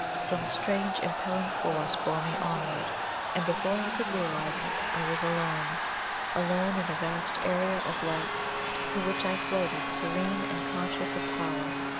Some strange impelling force bore me onward, and before I could realize it I was alone. Alone, in a vast area of light through which I floated, serene and conscious of power.